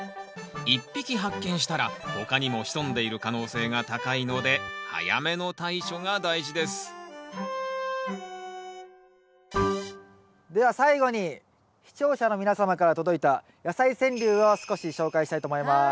１匹発見したら他にも潜んでいる可能性が高いので早めの対処が大事ですでは最後に視聴者の皆様から届いた「やさい川柳」を少し紹介したいと思います。